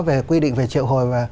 về quy định về triệu hồi